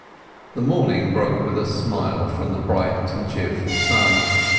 The next morning broke with a smile from the bright and cheer ful sun.